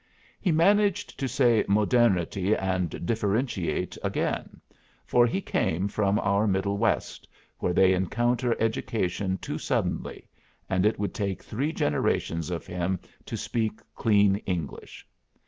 He managed to say 'modernity' and 'differentiate' again, for he came from our middle West, where they encounter education too suddenly, and it would take three generations of him to speak clean English.